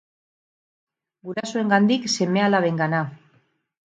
Gurasoengandik seme-alabengana.